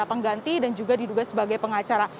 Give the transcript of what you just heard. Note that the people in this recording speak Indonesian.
pengganti dan juga diduga sebagai pengacara